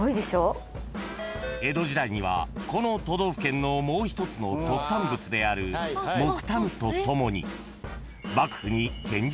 ［江戸時代にはこの都道府県のもう一つの特産物である木炭と共に］